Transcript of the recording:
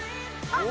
あっ！